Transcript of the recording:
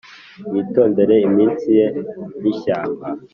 witondere imitsi ye n'ishyamba -